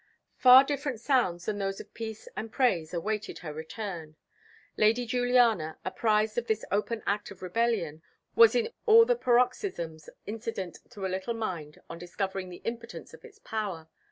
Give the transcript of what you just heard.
Far different sounds than those of peace and praise awaited her return. Lady Juliana, apprised of this open act of rebellion, was in all the paroxysms incident to a little mind on discovering the impotence of its power.